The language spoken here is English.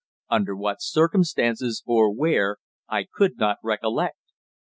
Under what circumstances, or where, I could not recollect.